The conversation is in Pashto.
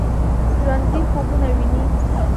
ژوندي خوبونه ويني